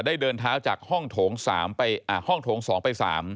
ได้เดินท้าจากห้องโถง๒ไป๓